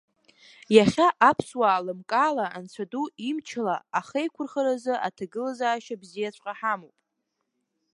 Иахьа аԥсуаа лымкаала, анцәа ду имчала, ахеи-қәырхаразы аҭагылазаашьа бзиаҵәҟьа ҳамоуп.